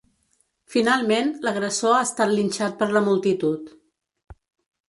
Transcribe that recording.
Finalment, l’agressor ha estat linxat per la multitud.